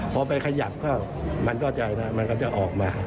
พอไปขยับเข้ามันก็จะออกมา